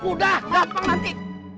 udah gampang mati